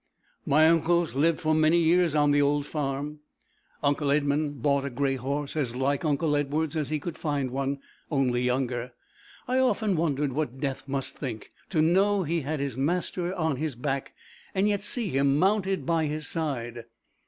My uncles lived for many years on the old farm. Uncle Edmund bought a gray horse, as like uncle Edward's as he could find one, only younger. I often wondered what Death must think to know he had his master on his back, and yet see him mounted by his side.